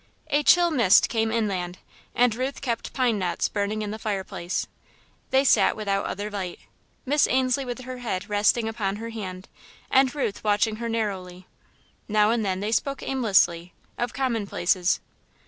A chill mist came inland, and Ruth kept pine knots burning in the fireplace. They sat without other light, Miss Ainslie with her head resting upon her hand, and Ruth watching her narrowly. Now and then they spoke aimlessly, of commonplaces.